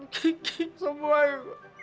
kikik semua itu